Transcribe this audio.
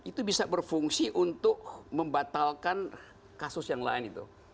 itu bisa berfungsi untuk membatalkan kasus yang lain itu